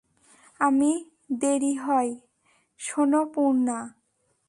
আমি দেরি হয়, শোনো, পূর্না।